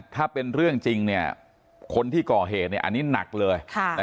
ถ้าเป็นเรื่องจริงคนที่ก่อเหตุอันนี้หนักเลย